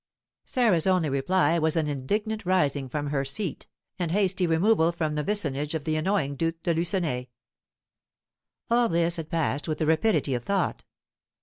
Sarah's only reply was an indignant rising from her seat, and hasty removal from the vicinage of the annoying Duke de Lucenay. All this had passed with the rapidity of thought.